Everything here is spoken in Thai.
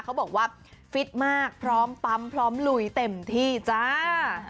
เขาบอกว่าฟิตมากพร้อมปั๊มพร้อมลุยเต็มที่จ้า